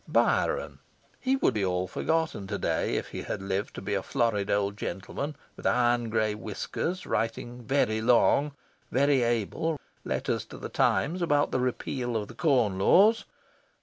Byron! he would be all forgotten to day if he had lived to be a florid old gentleman with iron grey whiskers, writing very long, very able letters to "The Times" about the Repeal of the Corn Laws.